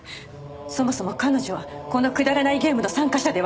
そもそも彼女はこのくだらないゲームの参加者ではありません。